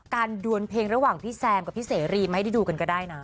ดวนเพลงระหว่างพี่แซมกับพี่เสรีมาให้ได้ดูกันก็ได้นะ